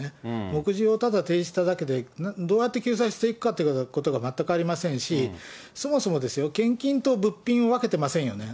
目次をただ提示しただけで、どうやって救済していくかということが全くありませんし、そもそも献金と物品を分けてませんよね。